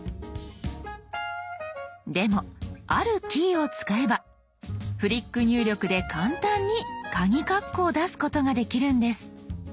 でもあるキーを使えばフリック入力で簡単にカギカッコを出すことができるんです。